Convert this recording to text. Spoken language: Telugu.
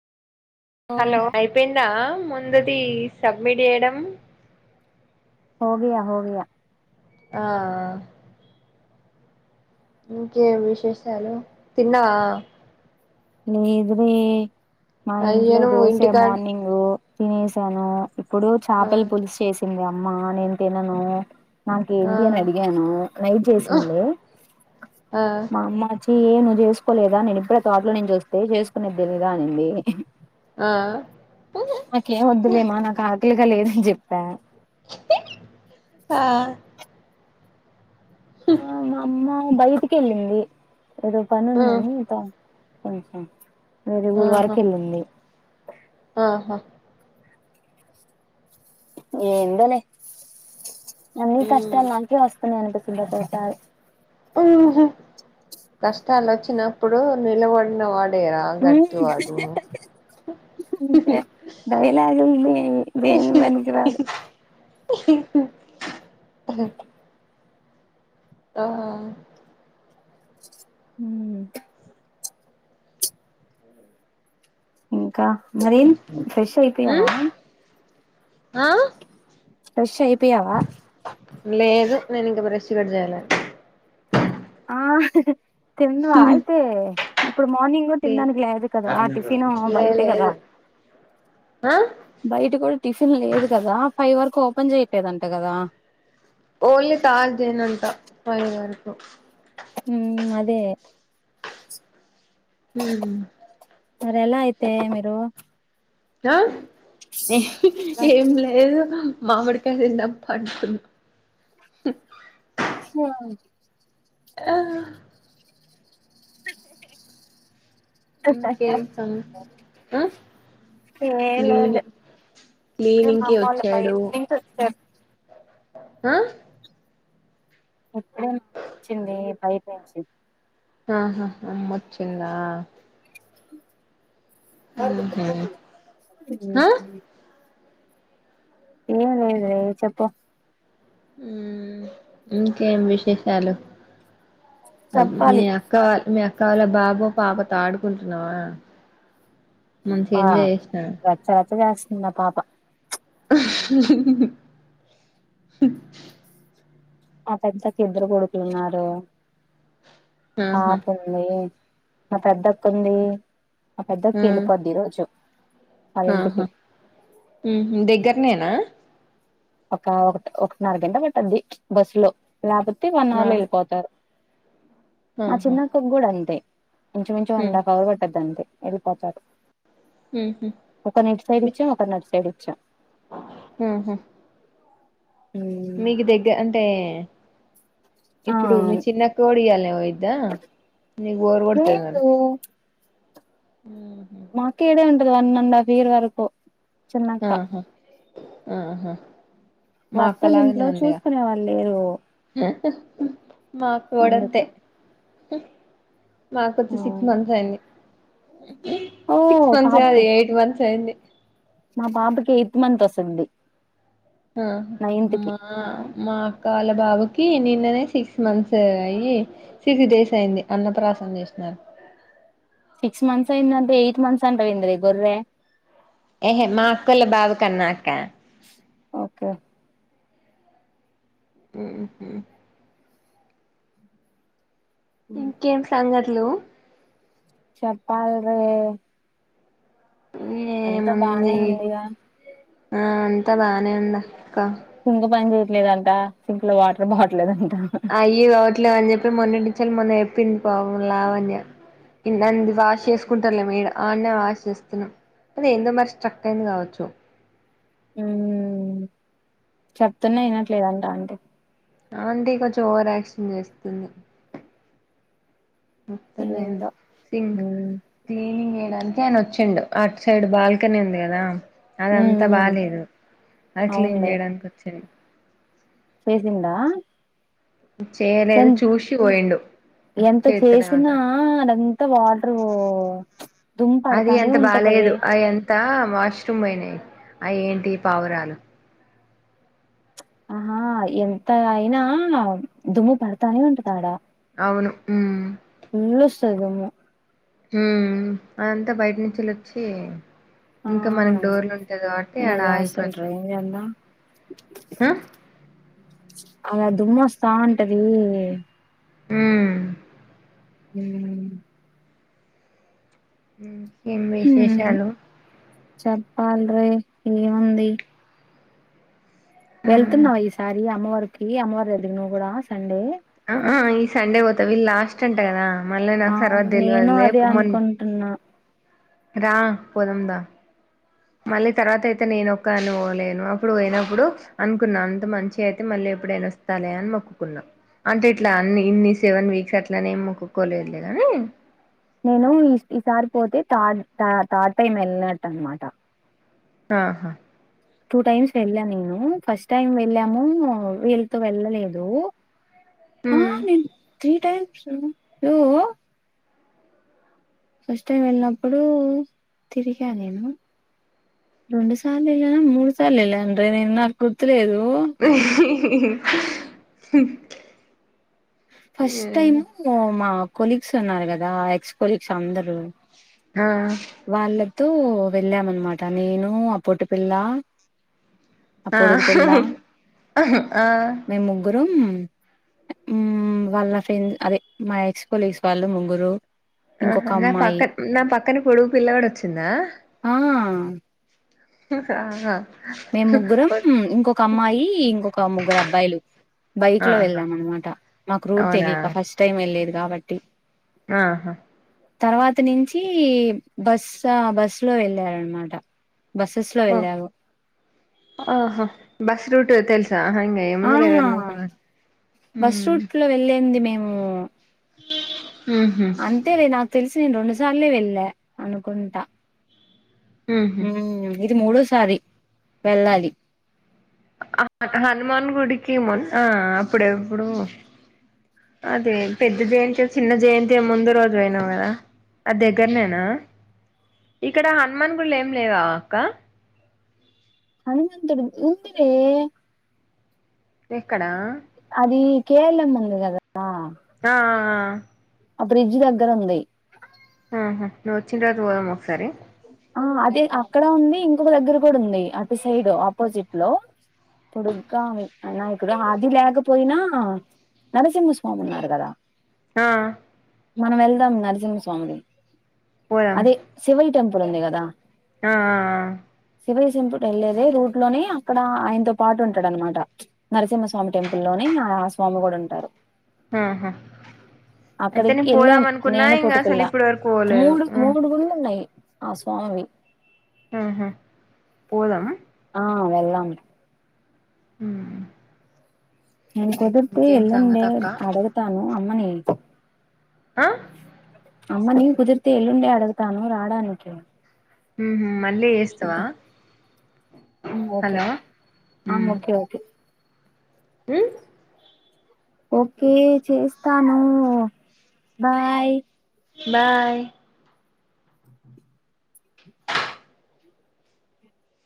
ఓ హలో అయిపోయిందా ముందుదీ సబ్మిట్ చేయడం. హోగయ హోగయా ఆ ఇంకేం విశేషాలు తిన్నవా లేదు వే మా అయ్యో ఇంట్లో నువ్వు దోశా ఇంటికాడ మార్నింగ్ గూ తినేశాను ఇప్పుడు చేపలు ఆ పులుసు చేశింది అమ్మా నేను తినను. ఆ నాకేంటి అని అడిగానూ నైట్ ఆ చేశిందిలే ఆ మా అమ్మ ఏం నువ్వు చేసుకోలేదా నేను ఇప్పుడే తోటలో నుంచి వస్తే చేసుకునేది తేలీదా అనింది. ఆ నాకేం వద్దులేమా నాకు ఆకలిగా లేదని చెప్పా ఆ ఆ మా అమ్మా బయటికి ఎళ్ళింది ఏదో పని ఉందని త ఆహా వేరే ఊరు ఆహా వరకెళ్ళంది. ఆహా ఏందోలే అన్నీ కష్టాలు నాకే వస్తున్నాయి అనిపిస్తుంది ఒకొక్కసారి. ఊహు కష్టాలు వచ్చినప్పుడు నిలబడిన వాడ్ డే రా గట్టి వాడు. అంతే డైలాగులు ఇనీ దేనికి పనికిరాదు. ఆ హ్మా ఇంకా మరేం ఫ్రెష్ ఉమ్ అయిపోయావా ఆ ఫ్రెష్ అయిపోయావా లేదు నేను ఇంక బ్రష్ గూడ జేయలే. ఆ తినువా అయితే ఇప్పుడు మార్నింగ్ ఇగ తిన్డానికి లేదు కదా టిఫినూ లే బయటే గదా లేదు ఆ బయట కూడా టిఫిన్ లేదు కదా ఫైవ్ వరకు ఓపెన్ చేయట్లేదంట గదా. ఓన్లీ తార్సడే నంటా ఫై వరకు ఊ అదే హ్మూ మరి ఎలా అయితే మిరు ఆ ఏం లేదు మామిడికాయ తిందాం పడుకున్ [unintelligible] ఆ ఇంకేమ్ సంగ్ హా ఏం లేదు క్లీనింగ్ ఇప్పుడే క్లీనింగ్ మా కి అమ్మోళ్ళు వచ్చాడు బయట నుంచి వచ్చారు హా [inaudible] వచ్చింది [unintelligible] ఆహా హా అమ్మోచిందా [inaudible] ఊహూ ఆ హ్మ్ ఏమ్ లేదే చెప్పు ఉమ్ ఇంకేం విశేషాలు ఆమ్ మి చెప్పాలి ఆ అక్క వాల్ మీ అక్క వాళ బాబో పాపతో ఆడుకుంటున్నవా ఆ రచ్చ రచ్చ చేస్తుంది ఆ పాప స అ పెద్దకి ఇద్దరు కొడుకులున్నారు ఆహా పాపున్ మా పెద్దకుంది మా పెద్దక్క ఆ వెళ్ళిపోద్ది ఈ రోజు వాళ్ళిన్టికి ఉమ్ దగ్గర్ నేనా ఒక ఒక్ ఒకట్నర గంట పట్టుది బస్లో లేక్పోతే వన్ ఆ అవర్లో యెల్పోతారు మా ఆహా చిన్నక్కగూడన్తే ఇంచుమించు one um and half hour పట్టుది అంతే ఎల్పోతారు ఉమ్ హు ఒకరిని ఇటు సైడ్ ఇచ్చాం ఒకరిని అటు సైడ్ ఇచ్చాం హ్మ్ హు దగ్గర అంటే ఇప్పుడు మీ ఆ చిన్నకొడిఇయాల్నె పోయిద్దా నీక్ బోర్ కొడుతది మళ్ళీ వు ఉమ్ హు మా అక్కిడే వుంటది వన్ అండ్ హాఫ్ ఇయర్ వరకు చిన్నక్క ఆహా ఆహా మా వాత్తోలింట్లొ చూసుకునే వాలేరు మాక్క కూడంతే అందుకు హు మాకొచ్చి సిక్స్ మంత్ అయింది ఓ సిక్స్ మంత్స్ పాప కాదు యయిట్ మంత్స్ అయింది మా పాపకి యయిట్మంత్ వసుద్ది ఆహా మ ఆ మా అక్క వాళ్ళ బాబుకి నిన్ననే సిక్స్ మంత్స్ అయ్యి సిక్స్ డేస్ అయింది అన్న ప్ర్రాసన్ చేస్నర్ సిక్స్ మంత్స్ అయిందంటె ఎయిట్ మంత్స్ అంటవెంద్రె ఈ గొర్రె ఎహె మా అక్కోళ్ల బాబుకన్నా అక్క ఓకే హ్మ్ హు ఇంకేం సంగత్లు చెప్పాల్ రే అంత బానే ఏముంది వుంది గా ఆ అంతా బానే ఉన్నా అక్క సింక్ పని చేయట్లేదంట సింక్ లో వాటర్ పోవట్లేదంట అయ్యో అవట్లేవ అని చెప్పి మొన్న టీచర్ మొన్న చెప్పింది పాపం లావణ్య అంది వాష్ చేసుకుంటారులే ఈడ ఆడనే వాష్ చేస్తున్నాం అదే ఏందో మరి స్ట్రక్ అయింది కావచ్చు ఉమ్ చెప్తున్నా వినట్లేదంటా ఆంటీ ఆంటీ కొంచం ఓవర్ ఆక్షన్ చేస్తుంది వస్తున్నాయి ఏందో థింక్ ఉమ్ క్లీనింగ్ చేయడానికి ఆయన వచ్చిండు అటు సైడ్ బాల్కనీ ఉంది కదా అదంతా ఉమ్ బాలేదు అది క్లీన్ అవునులే చేయడానికి వచ్చిండు చేసిండా చేయలేదు చూషి పోయిండు ఎంత చేత్తలేదంట చేసినా అదంత వాటర్ వో తుం అది ఎంత బాలేదు అవి ఎంత వాష్రూమ్ పోయినాయి అవి ఏంటి పావురాలు ఆహా ఎంత ఆయినా దుమ్ము పడతానే ఉంటది ఆడా అవును ఉమ్ ఇంట్లో వస్తది గమ్ము హమ్ అదంతా బయట నుంచి అలా వచ్చి ఆ ఇంకా మనకు డోర్లు ఉంటాయి కాబట్టి ఆడ ఆగిపోతది ఎ అన్న హా అలా దుమ్ము వస్తా ఉంటది ఉమ్ ఉమ్ హమ్ ఏం విశేషాలు చెప్పాల రే ఏముంది వెళ్తున్నావు ఈసారి అమ్మవారికి అమ్మవారు వెలి నువ్వు కూడా సండే అ ఆ ఈ సండే పోతా వీళ్ళు లాస్ట్ అంట కదా మళ్ళీ నాకు తర్వాత తెలివదులే పోమన్ అన్నా రా పోదాం దా మళ్ళీ తర్వాత అయితే నేను ఒక్క అను లేను అప్పుడు పోయినప్పుడు అనుకున్నా అంత మంచి అయితే మళ్ళీ ఎప్పుడైనా వస్తా లే అని మొక్కుకున్నా అంటే ఇట్లా అన్ని ఇన్ని సెవెన్ వీక్స్ అట్లన ఏం మొక్కోలేదులే గాని నేను ఈ ఈసారి పోతే థర్డ్ థర్డ్ టైమ్ వెళ్ళినట్టు అనమాట ఆహా టూ టైమ్స్ వెళ్ళా నేను ఫస్ట్ టైం వెళ్ళాము వీళ్ళతో వెళ్ళలేదు ఆ హ్మ్ నన్ త్రీ టైమ్స్ రూ ఫస్ట్ టైం వెళ్ళినప్పుడు తిరిగా నేను రెండు సార్లు వెళ్ళానా మూడు సార్లు వెళ్ళాను నేను నాకు గుర్తులేదు ఫస్ట్ టైమ్ ఓ మా కొలీగ్స్ ఉన్నారు కదా ఎక్స్ కొలీగ్స్ అందరు ఆ వాళ్ళతో వెళ్ళాం అనమాట నేను ఆ పొట్టి పిల్ల ఆ పొడుగు పిల్ల ఆ మేం ముగ ముగ్గురు వాళ్ళ ఫ్రెండ్ అదే మా ఎక్స్ కొలీగ్స్ వాళ్ళు ముగ్గురు ఆహ ఇంకొక నా అమ్మాయి పక్క నా పక్కన పొడు పిల్లోడు వచ్చిందా ఆ ఆహా మేము ముగ్గురం ఇంకొక అమ్మాయి ఇంకొక ముగ్గురు అబ్బాయిలు బైక్ లో ఆహా వెళ్ళాం అనమాట మాకు రూట్ అవునా తెలియక ఫస్ట్ టైం వెళ్లేది కాబట్టి ఆహా తర్వాత నుంచి బస్ బస్ లో వెళ్ళారనమాట బస్సస్ లో ఓ వెళ్ళాము ఆహా బస్ రూట్ తెల్సా హ ఆ ముందలేవారు నకు బస్ రూట్ లో వెళ్ళింది మేము ఉహ అంతేలే నాకు తెలిసి నేను రెండు సార్లే వెళ్ళ అనుకుంటా ఉహు ఉ ఇది మూడోసారి వెళ్ళాలి హనుమాన్ గుడికి మొన్న అప్పుడెప్పుడు అదే పెద్ద జయంతి చిన్న జయంతి ముందు రోజు పోయినవ్ కదా అ దగ్గరనేనా ఇక్కడ హనుమాన్ గుళ్ళు ఏం లేవా అక్క హనుమతుడు ఉందిరే ఎక్కడా అది కే ఎల్ ఎం ఉంది కదా ఆ ఆ బ్రిడ్జ్ దగ్గర ఉంది ఆహా నువ్వు వచ్చిన రోజు పోదాం ఒకసారి ఆ అది అక్కడ ఉంది ఇంకొక దగ్గర కూడా ఉంది అటు సైడ్ ఆపోజిట్ లో పొడుగా అయినా ఇక్కడ హది లేకపోయినా నరసింహస్వామి ఉన్నారు కదా ఆ మనం వెళ్దాం నరసింహస్వామిది పోదాం అదే శివయ్య టెంపుల్ ఉంది కదా ఆ శివయ్యసింపు వెళ్ళలేదే రూట్ లోని అక్కడ ఆయనతో పాటు ఉంటాడ అనమాట నరసింహస్వామి టెంపుల్ లోని ఆ స్వామి కూడా ఉంటారు ఆహా అయితే అక్కడికి నేను వెళ్ళాం పోదాం అనుకున్నా నేను ఇంకా అసలు పొట్టిపిల్ల ఇప్పుడు వరకు పోలేదు మూడు మూడు గుళ్ళు ఉన్నాయి ఆ స్వామివి ఆహా పోదాం ఆ వెళ్ళాం ఉ నేను కుదుర్పి ఎల్లుండే సంగతి అక్క అడుగుతాను అమ్మని ఆ అమ్మనీ కుదిరితే ఎల్లుండే అడుగుతాను రాడానికి ఉహ మళ్ళీ చేస్తావా చూద్దాం ఆ ఓకే హలో ఆ ఉ ఓకే ఓకే హ ఓకే చేస్తాను బాయ్ బాయ్